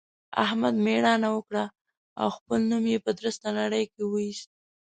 احمد مېړانه وکړه او خپل نوم يې په درسته نړۍ کې واېست.